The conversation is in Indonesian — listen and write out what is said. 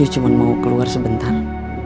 cuman mau keluar sebentar